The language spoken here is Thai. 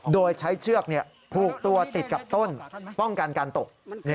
โดยใช้เชือกผูกตัวติดกับต้นป้องกันการตก